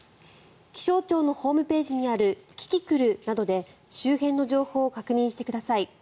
気象庁のホームページにあるキキクルなどで周辺の情報を確認してください。